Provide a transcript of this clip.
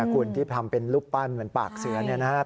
คุณที่ทำเป็นรูปปั้นเหมือนปากเสือเนี่ยนะครับ